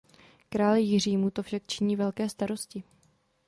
Králi Jiřímu to však činí velké starosti.